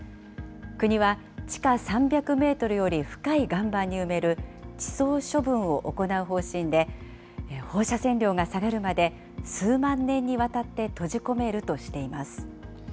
国は地下３００メートルより深い岩盤に埋める地層処分を行う方針で、放射線量が下がるまで数万年にわたって閉じ込めるとしています。